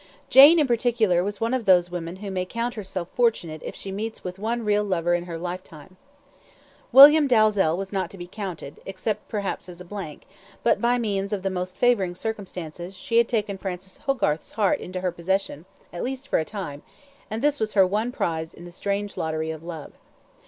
Jane in particular was one of those women who may count herself fortunate if she meets with one real lover in her lifetime. William Dalzell was not to be counted, except perhaps as a blank, but by means of the most favouring circumstances, she had taken Francis Hogarth's heart into her possession, at least for time, and this was her one prize in the strange lottery of love.